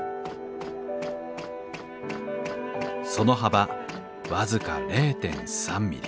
その幅僅か０．３ミリ。